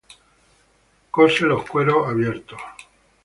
Cose los cueros abiertos.